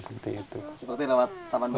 seperti lewat teman bacaan